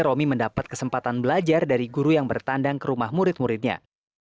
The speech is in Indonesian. romi mendapat kesempatan belajar dari guru yang bertandang ke rumah murid muridnya